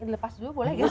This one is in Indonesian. lepas dulu boleh gak